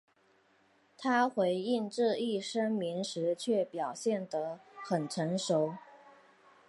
他回应这一声明时却表现得很成熟。